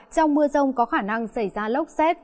trong mưa rông có khả năng xảy ra lốc xét